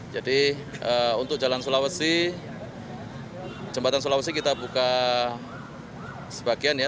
jadi untuk jalan sulawesi jembatan sulawesi kita buka sebagian ya